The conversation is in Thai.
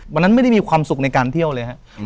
วันนั้นไม่ได้มีความสุขในการเที่ยวเลยครับ